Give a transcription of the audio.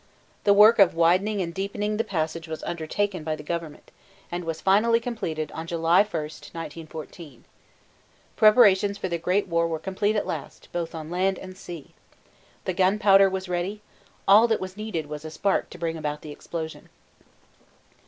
The work of widening and deepening the passage was undertaken by the government, and was finally completed on July 1, 1914. Preparations for the Great War were complete at last, both on land and sea. The gunpowder was ready. All that was needed was a spark to bring about the explosion.